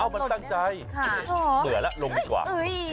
้าวมันตั้งใจค่ะเผื่อละลงดีกว่า